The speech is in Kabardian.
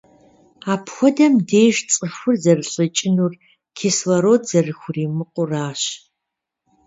Апхуэдэм деж цӏыхур зэрылӏыкӏынур - кислород зэрыхуримыкъуращ.